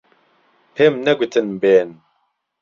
پێم نەگوتن بێن.